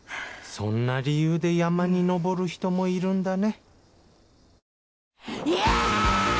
そんな理由で山に登る人もいるんだね